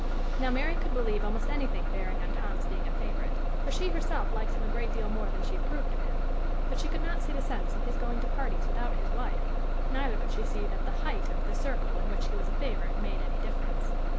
Now Mary could believe almost anything bearing on Tom's being a favorite, for she herself liked him a great deal more than she approved of him; but she could not see the sense of his going to parties without his wife, neither could she see that the height of the circle in which he was a favorite made any difference.